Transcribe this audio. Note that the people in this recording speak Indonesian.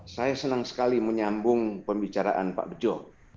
saya senang sekali menyambung pembicaraan pak bejo